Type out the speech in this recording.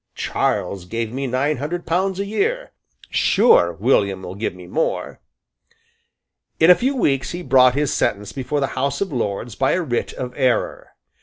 "Charles gave me nine hundred pounds a year. Sure William will give me more." In a few weeks he brought his sentence before the House of Lords by a writ of error.